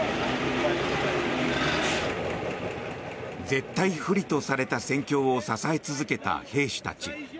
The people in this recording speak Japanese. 絶対不利とされた戦況を支え続けた兵士たち。